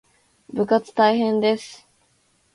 部活大変です